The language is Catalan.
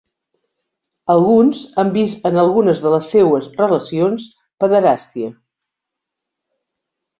Alguns han vist en algunes de les seues relacions pederàstia.